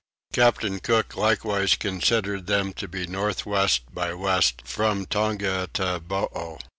Captain Cook likewise considered them to be north west by west from Tongataboo.